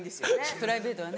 プライベートは。